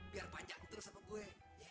biar panjang terus sama gue